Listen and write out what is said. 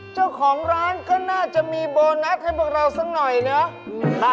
เจ้าของร้านก็น่าจะมีโบนัสให้พวกเราสักหน่อยเนอะ